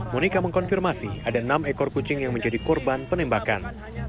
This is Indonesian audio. monika mengkonfirmasi ada enam ekor kucing yang menjadi korban penembakan